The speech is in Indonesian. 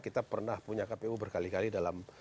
kita pernah punya kpu berkali kali dalam